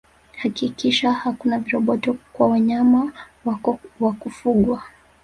Hakikisha hakuna viroboto kwa wanyama wako wa kufugwaa